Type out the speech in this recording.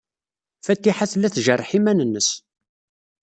Fatiḥa tella tjerreḥ iman-nnes.